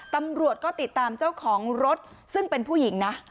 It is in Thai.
ตำรวจก็ติดตามเจ้าของรถซึ่งเป็นผู้หญิงนะ